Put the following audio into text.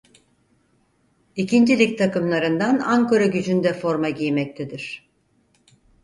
İkinci Lig takımlarından Ankaragücü'nde forma giymektedir.